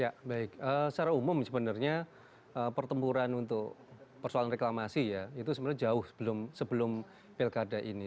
ya baik secara umum sebenarnya pertempuran untuk persoalan reklamasi ya itu sebenarnya jauh sebelum pilkada ini